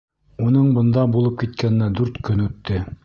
Уның бында булып киткәненә дүрт көн үтте.